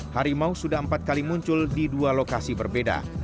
harimau sudah empat kali muncul di dua lokasi berbeda